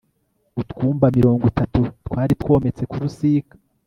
utwumba mirongo itatu twari twometse ku rusika